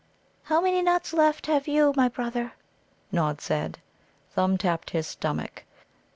"How many nuts left have you, my brother?" Nod said. Thumb tapped his stomach.